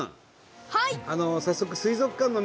はい！